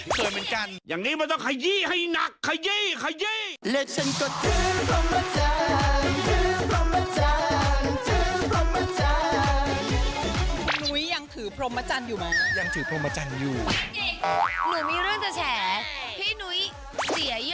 ส่วนจริงอยู่ตรงนี้